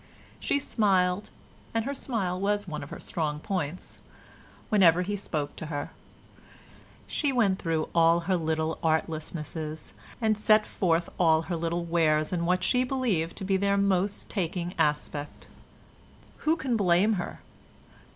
She smiled (and her smile was one of her strong points) whenever he spoke to her; she went through all her little artlessnesses and set forth all her little wares in what she believed to be their most taking aspect. Who can blame her?